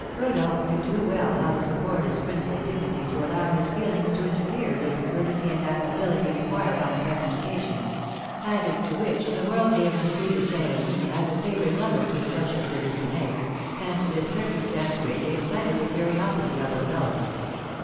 Rodolph knew too well how to support his princely dignity to allow his feelings to interfere with the courtesy and affability required on the present occasion; added to which, the world gave M. de Saint Remy as a favoured lover to the Duchess de Lucenay, and this circumstance greatly excited the curiosity of Rodolph.